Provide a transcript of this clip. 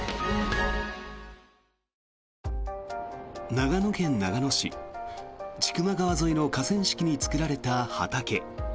長野県長野市・千曲川沿いの河川敷に作られた畑。